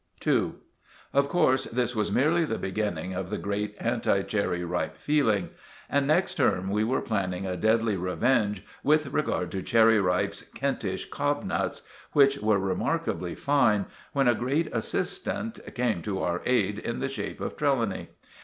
*II* Of course, this was merely the beginning of the great anti Cherry Ripe feeling, and next term we were planning a deadly revenge with regard to Cherry Ripe's Kentish cobnuts, which were remarkably fine, when a great assistant came to our aid in the shape of Trelawny.